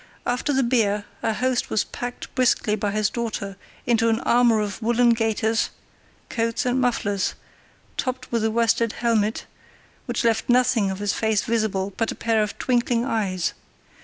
After the beer our host was packed briskly by his daughter into an armour of woollen gaiters, coats, and mufflers, topped with a worsted helmet, which left nothing of his face visible but a pair of twinkling eyes.